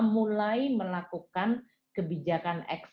mulai melakukan kebijakan ekonomi